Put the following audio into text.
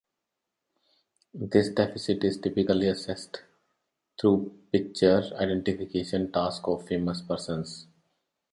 This deficit is typically assessed through picture identification tasks of famous persons.